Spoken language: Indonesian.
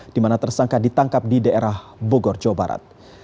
di mana tersangka ditangkap di daerah bogor jawa barat